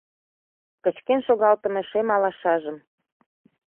Кычкен шогалтыме шем алашажым